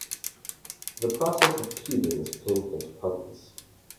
The process of teething is painful to puppies.